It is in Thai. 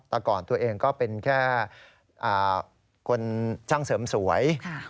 แต่ก่อนตัวเองก็เป็นแค่คนช่างเสริมสวย